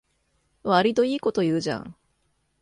わりといいこと言うじゃん